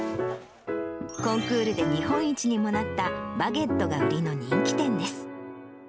コンクールで日本一にもなったバゲットが売りの人気店です。